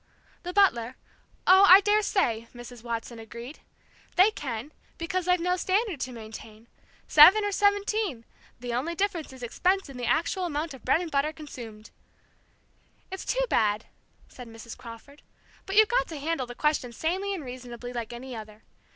"The butler oh, I dare say!" Mrs. Watson agreed. "They can, because they've no standard to maintain seven, or seventeen the only difference in expense is the actual amount of bread and butter consumed." "It's too bad," said Mrs. Crawford. "But you've got to handle the question sanely and reasonably, like any other.